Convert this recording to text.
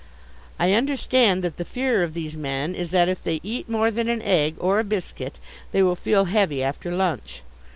I understand that the fear of these men is that if they eat more than an egg or a biscuit they will feel heavy after lunch.